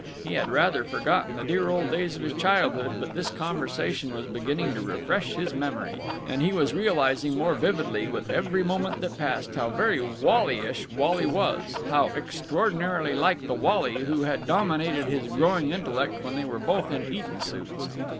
He had rather forgotten the dear old days of his childhood, but this conversation was beginning to refresh his memory: and he was realizing more vividly with every moment that passed how very Wallyish Wally was how extraordinarily like the Wally who had dominated his growing intellect when they were both in Eton suits.